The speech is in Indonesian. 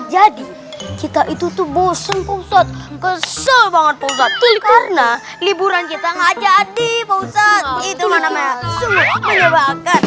jadi kita itu tuh bosan pesawat kesel banget karena liburan kita